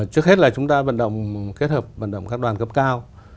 trước hết là chúng ta vận động kết hợp vận động các đoàn cấp cao